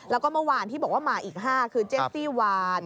แล้วก็เมื่อวานที่บอกว่ามาอีก๕คือเจสซี่วาน